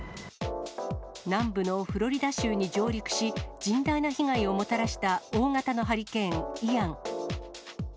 南部のフロリダ州に上陸し、甚大な被害をもたらした大型のハリケーン・イアン。